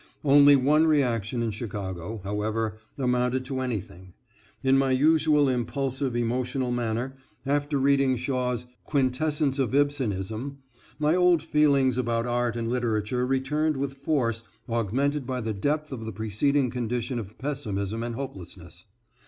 Only one reaction in Chicago, however, amounted to anything. In my usual impulsive, emotional manner, after reading Shaw's "Quintessence of Ibsenism," my old feelings about art and literature returned with force augmented by the depth of the preceding condition of pessimism and hopelessness.